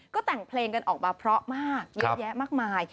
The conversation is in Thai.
ก็แต่งเพลงกันออกมาเพราะมากเยอะแยะมากมาย